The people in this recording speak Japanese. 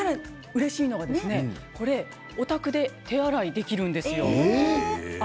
うれしいのはこれはお宅で手洗いができるんです。